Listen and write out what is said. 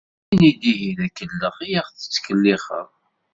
Ini ihi d akellex i aɣ-tettkellix.